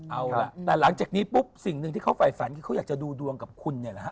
เอาล่ะแต่หลังจากนี้ปุ๊บสิ่งหนึ่งที่เขาไฟฝันคือเขาอยากจะดูดวงกับคุณเนี่ยแหละฮะ